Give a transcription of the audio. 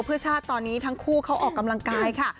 เพื่อชาติตอนนี้ทั้งคู่เขาออกกำลังกายค่ะ